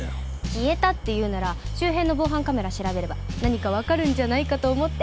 消えたっていうなら周辺の防犯カメラ調べれば何かわかるんじゃないかと思って。